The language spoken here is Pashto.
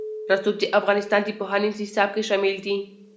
رسوب د افغانستان د پوهنې نصاب کې شامل دي.